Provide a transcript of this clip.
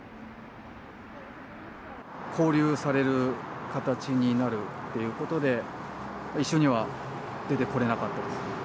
勾留される形になるということで、一緒には出てこれなかったです。